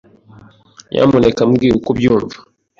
Nyamuneka mbwira uko ubyumva.